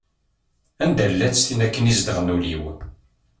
Anda-llatt tin akken i izedɣen ul-iw?